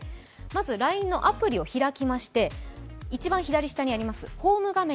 まずＬＩＮＥのアプリを開きまして一番左下にあります